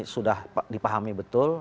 sudah dipahami betul